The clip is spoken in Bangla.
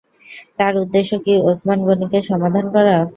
তাঁর উদ্দেশ্য কি ওসমান গনিকে সাবধান করা?